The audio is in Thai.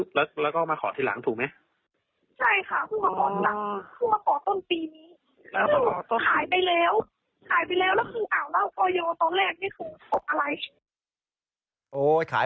ใช่จากเจ้าผมแชนตูหวัดอ้อม